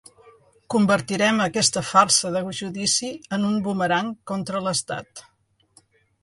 Convertirem aquesta farsa de judici en un bumerang contra l’estat.